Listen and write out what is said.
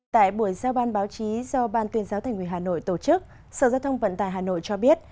tại buổi giao ban báo chí do ban tuyên giáo thành quỳ hà nội tổ chức sở giao thông vận tài hà nội cho biết